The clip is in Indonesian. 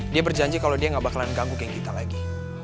dia berjanji kalau dia gak bakalan ganggu kayak kita lagi